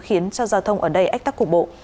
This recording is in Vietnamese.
khiến cho giao thông ở đây ách tắc cục bộ